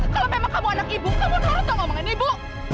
kalau memang kamu anak ibu kamu nurut atau ngomongin ibu